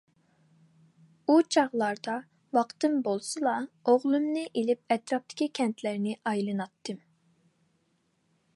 ئۇ چاغلاردا ۋاقتىم بولسىلا، ئوغلۇمنى ئېلىپ ئەتراپتىكى كەنتلەرنى ئايلىناتتىم.